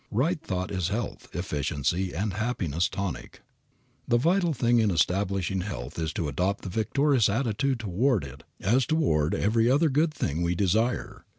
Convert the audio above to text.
Right thought is a health, efficiency, and happiness tonic. The vital thing in establishing health is to adopt the victorious attitude toward it as toward every other good thing we desire.